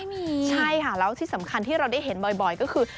ใช่ค่ะแล้วที่สำคัญที่เราได้เห็นบ่อยก็คือ